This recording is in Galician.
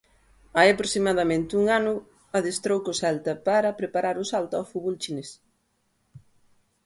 Hai aproximadamente un ano adestrou co Celta para preparar o salto ao fútbol chinés.